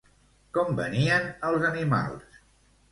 Com venien els animals?